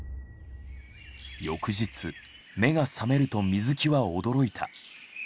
翌日目が覚めると水木は驚いた。